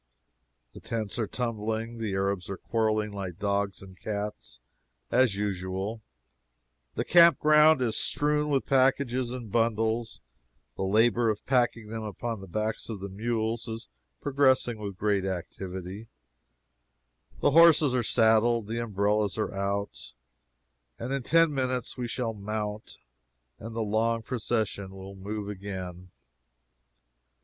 The tents are tumbling, the Arabs are quarreling like dogs and cats, as usual, the campground is strewn with packages and bundles, the labor of packing them upon the backs of the mules is progressing with great activity, the horses are saddled, the umbrellas are out, and in ten minutes we shall mount and the long procession will move again.